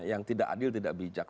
yang tidak adil tidak bijak